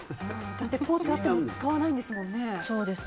だってポーチあっても使わないんですもんね。